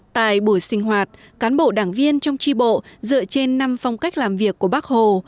tại buổi sinh hoạt cán bộ đảng viên trong tri bộ dựa trên năm phong cách làm việc của bác hồ